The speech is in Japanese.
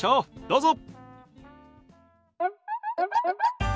どうぞ。